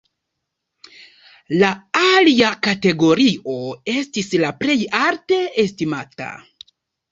La alia kategorio estis la plej alte estimata.